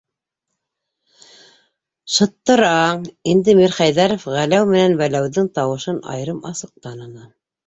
Шыттыра-аң! - инде Мирхәйҙәров Ғәләү менән Вәләүҙең тауышын айырым-асыҡ таныны.